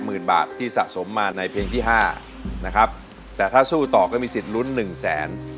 หมื่นบาทที่สะสมมาในเพลงที่ห้านะครับแต่ถ้าสู้ต่อก็มีสิทธิ์ลุ้นหนึ่งแสน